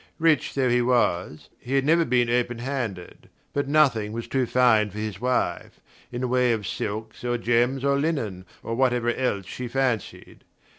Rich though he was, he had never been open handed; but nothing was too fine for his wife, in the way of silks or gems or linen, or whatever else she fancied.